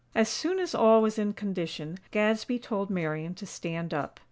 As soon as all was in condition Gadsby told Marian to stand up.